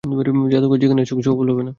জাদুকর যেখানেই আসুক, সফল হবে না।